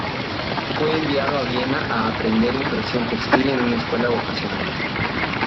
Fue enviado a Viena a aprender impresión textil en una escuela vocacional.